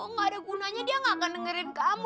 nggak ada gunanya dia nggak akan dengerin kamu